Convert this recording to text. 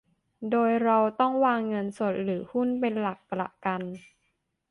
โดยเราต้องวางเงินสดหรือหุ้นเป็นหลักประกัน